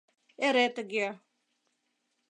Эре тыге.